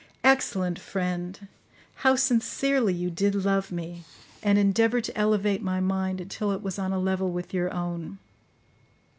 Excellent friend! how sincerely you did love me, and endeavour to elevate my mind until it was on a level with your own.